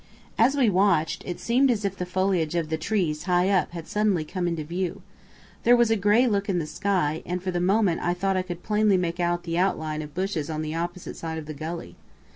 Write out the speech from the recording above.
As we watched, it seemed as if the foliage of the trees high up had suddenly come into view. There was a grey look in the sky, and for the moment I thought I could plainly make out the outline of the bushes on the opposite side of the gully.